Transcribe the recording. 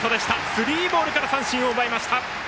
スリーボールから三振を奪いました。